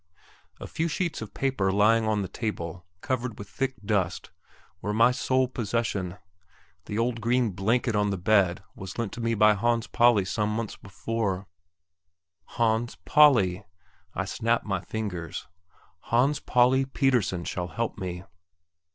A few sheets of paper lying on the table, covered with thick dust, were my sole possession; the old green blanket on the bed was lent to me by Hans Pauli some months ago.... Hans Pauli! I snap my fingers. Hans Pauli Pettersen shall help me!